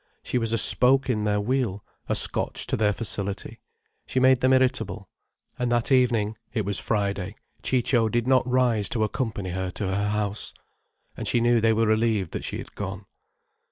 She was a spoke in their wheel, a scotch to their facility. She made them irritable. And that evening—it was Friday—Ciccio did not rise to accompany her to her house. And she knew they were relieved that she had gone.